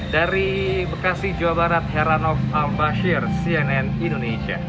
dari bekasi jawa barat heranov al bashir cnn indonesia